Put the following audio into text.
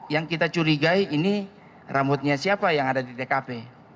yang kita curigai ini rambutnya siapa yang ada di tkp